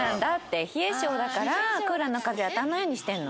冷え性だからクーラーの風当たらないようにしてるの。